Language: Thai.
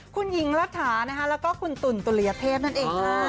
คุณหญิงรัฐานะคะแล้วก็คุณตุ๋นตุลยเทพนั่นเองค่ะ